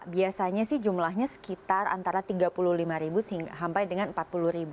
biasanya sih jumlahnya sekitar antara tiga puluh lima ribu sampai dengan empat puluh ribu